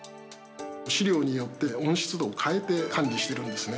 資料によって温湿度を変えて管理してるんですね。